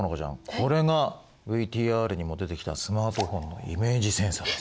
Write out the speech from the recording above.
これがＶＴＲにも出てきたスマートフォンのイメージセンサです。